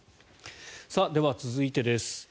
では続いてです。